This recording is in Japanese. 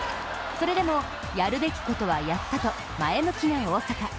それでも、やるべきことはやったと前向きな大坂。